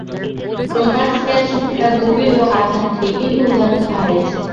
Roman ক্যাথলিকরা গভীর ও আধ্যাত্মিক, কিন্তু উদারতা হারাইয়াছে।